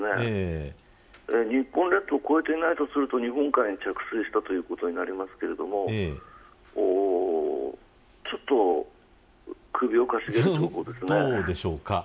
日本列島を越えていないとすると日本海に着水したということになりますが少し首をかしげるような情報ですね。